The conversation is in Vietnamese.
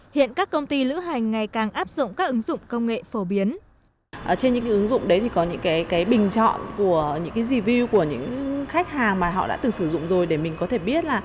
hiện các công ty lữ hành ngày càng áp dụng các ứng dụng công nghệ phổ biến